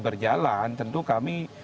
berjalan tentu kami